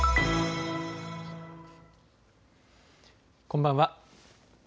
こんばんは。